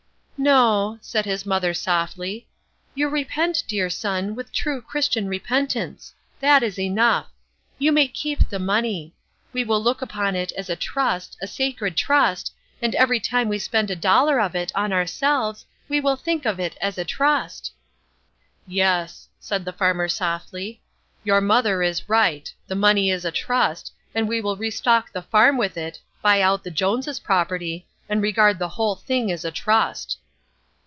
"No," said his mother softly. "You repent, dear son, with true Christian repentance. That is enough. You may keep the money. We will look upon it as a trust, a sacred trust, and every time we spend a dollar of it on ourselves we will think of it as a trust." "Yes," said the farmer softly, "your mother is right, the money is a trust, and we will restock the farm with it, buy out the Jones's property, and regard the whole thing as a trust."